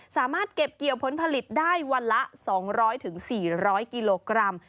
สามารถเก็บเกี่ยวผลผลิตได้วันละ๒๐๐๔๐๐กิโลกรัม